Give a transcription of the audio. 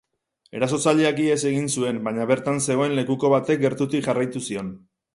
Erasotzaileak ihes egin zuen, baina bertan zegoen lekuko batek gertutik jarraitu zion.